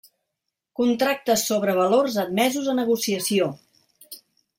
Contractes sobre valors admesos a negociació.